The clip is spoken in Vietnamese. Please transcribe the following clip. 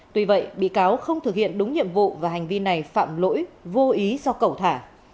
tuy vậy bị cáo không thực hiện đúng nhiệm vụ và hành vi này phạm lỗi vô ý do cẩu thả